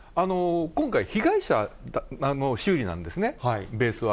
今回、被害者の修理なんですね、ベースは。